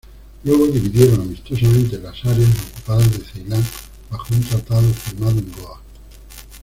Luego dividieron amistosamente las áreas ocupadas de Ceilán bajo un tratado firmado en Goa.